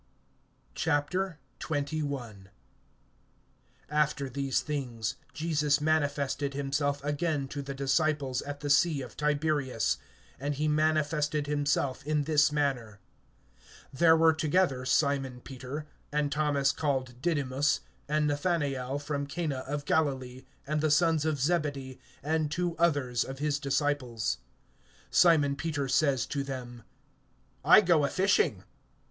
XXI. AFTER these things Jesus manifested himself again to the disciples at the sea of Tiberias; and he manifested himself in this manner. (2)There were together Simon Peter, and Thomas called Didymus, and Nathanael from Cana of Galilee, and the sons of Zebedee, and two others of his disciples. (3)Simon Peter says to them: I go a fishing.